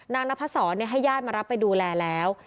นางนาพระสอนให้ญาติมารับไปดูแลแล้ว